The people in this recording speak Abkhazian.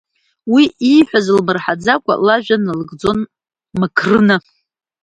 Уи ииҳәаз лмырҳаӡакәа, лажәа налыгӡон Макрына…